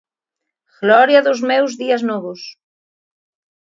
Gloria dos meus días novos.